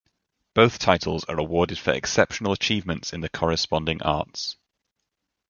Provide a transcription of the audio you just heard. Both titles are awarded for exceptional achievements in the corresponding arts.